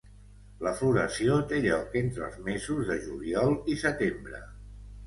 La floració té lloc entre els mesos de juliol i setembre.